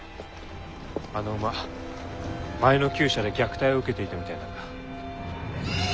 あの馬前の厩舎で虐待を受けていたみたいなんだ。